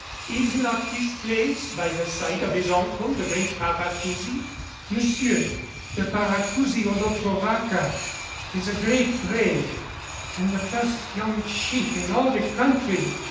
Is not his place by the side of his uncle the great Paracousi?" "Monsieur, the Paracousi Olotoraca is a great brave and the first young chief in all the country.